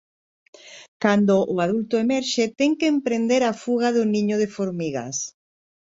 Cando o adulto emerxe ten que emprender a fuga do niño de formigas.